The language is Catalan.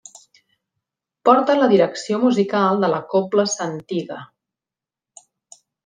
Porta la direcció musical de la cobla Santiga.